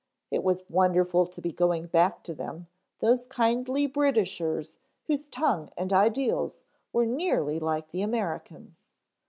It was wonderful to be going back to them, those kindly Britishers whose tongue and ideals were nearly like the Americans.